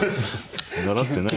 習ってない。